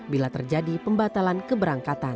bila terjadi pembatalan keberangkatan